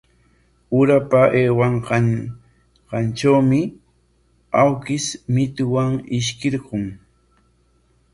Urapa aywaykanqantrawmi awkish mituman ishkirqun.